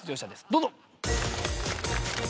どうぞ！